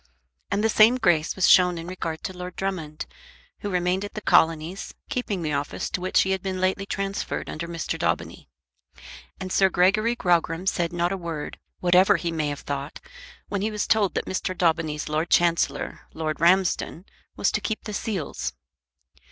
And the same grace was shown in regard to Lord Drummond, who remained at the Colonies, keeping the office to which he had been lately transferred under Mr. Daubeny. And Sir Gregory Grogram said not a word, whatever he may have thought, when he was told that Mr. Daubeny's Lord Chancellor, Lord Ramsden, was to keep the seals.